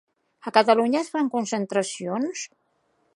A Catalunya es fan concentracions